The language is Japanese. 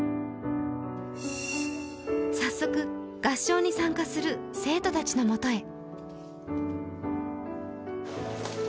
早速、合唱に参加する生徒たちのもとへ。